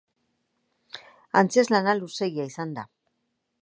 Antzezlana luzeegia izan da.